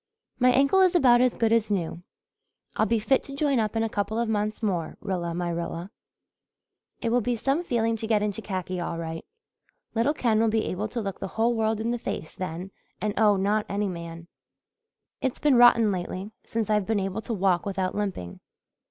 "My ankle is about as good as new. I'll be fit to join up in a couple of months more, Rilla my Rilla. It will be some feeling to get into khaki all right. Little Ken will be able to look the whole world in the face then and owe not any man. It's been rotten lately, since I've been able to walk without limping.